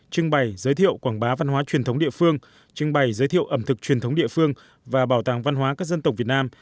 trưng bày giới thiệu quảng bá văn hóa truyền thống địa phương trưng bày giới thiệu ẩm thực truyền thống địa phương và bảo tàng văn hóa các dân tộc việt nam